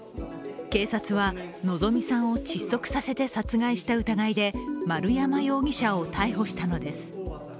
警察は希美さんを窒息させて殺害した疑いで丸山容疑者を逮捕したのです。